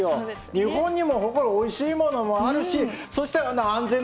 日本にも誇るおいしいものもあるしそして安全な街。